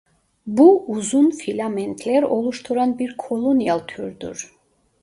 Bu uzun filamentler oluşturan bir kolonyal türdür.